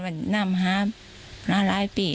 มาน้ำหานานหลายปี